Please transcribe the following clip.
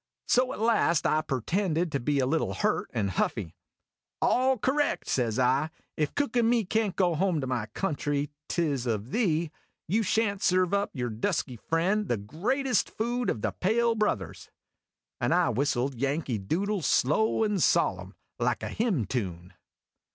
So at last I purtendecl to be a little hurt and huffy. "All correct," I says; "if Cook and me can't go home to my country 't is of thee, you sha'n't serve up to your dusky friend the '"IT 's A GO!' i SAYS, TAKIN' HIM UP RIGHT OFF." great food of the pale brothers !" And I whistled "Yankee Doodle" slow and solemn, like a hymn tune.